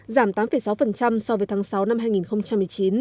giảm tám sáu so với tháng sáu năm hai nghìn một mươi chín